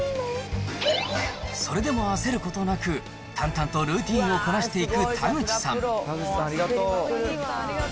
それでも焦ることなく、淡々とルーティンをこなしていく田口さん。